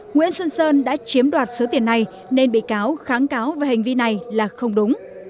nguyễn xuân sơn đã chiếm đoạt số tiền này nên bị cáo kháng cáo về hành vi này là không đúng